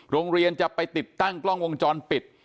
โรงเรียนจะไปติดตั้งกล้องวงจรปิด